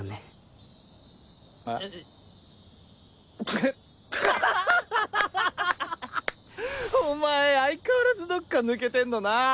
ブハハハ！お前相変わらずどっか抜けてんのな。